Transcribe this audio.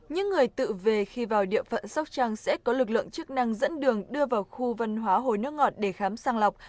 những người tự về khi vào địa phận sóc trăng sẽ có lực lượng chức năng dẫn đường đưa vào khu văn hóa hồ nước ngọt để khám sang lọc